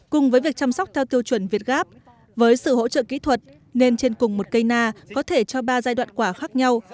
cùng với việc chăm sóc theo tiêu chuẩn việt gáp với sự hỗ trợ kỹ thuật nên trên cùng một cây na có thể cho ba giai đoạn quả khác nhau